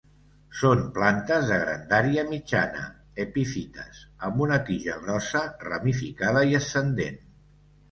Són plantes de grandària mitjana, epífites, amb una tija grossa ramificada i ascendent.